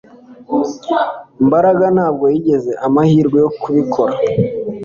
Mbaraga ntabwo yagize amahirwe yo kubikora